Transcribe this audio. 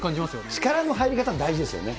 力の入り方、大事ですよね。